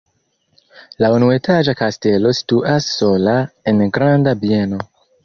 La unuetaĝa kastelo situas sola en granda bieno.